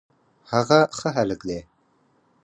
هغه ښه هلک دی